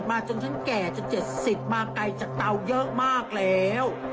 อ้าจนฉันแก่จนเจ็ดสิบมาไกลจากเตาเยอะมากแล้ว